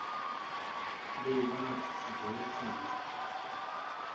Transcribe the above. Layla la tetteddu ad temmet.